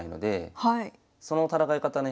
その戦い方ね